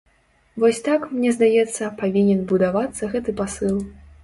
Вось так, мне здаецца, павінен будавацца гэты пасыл.